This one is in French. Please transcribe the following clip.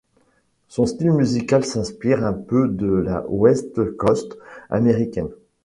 Son style musical s'inspire un peu de la West Coast américaine.